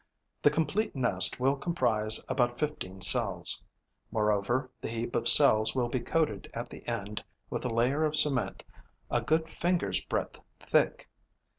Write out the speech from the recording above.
The complete nest will comprise about fifteen cells. Moreover, the heap of cells will be coated at the end with a layer of cement a good finger's breadth thick.